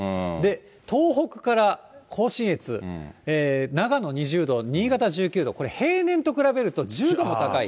東北から甲信越、長野２０度、新潟１９度、これ、平年と比べると、１０度も高い。